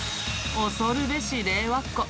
おそるべし令和っ子。